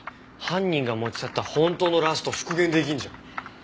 犯人が持ち去った本当のラスト復元出来るじゃん。